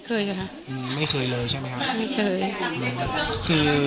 ปกติพี่สาวเราเนี่ยครับเปล่าครับเปล่าครับเปล่าครับ